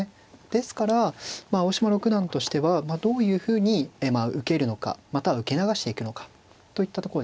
ですから青嶋六段としてはどういうふうに受けるのかまたは受け流していくのかといったとこですね。